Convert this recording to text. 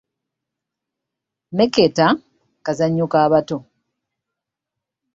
Mmeketa kazannyo ka bato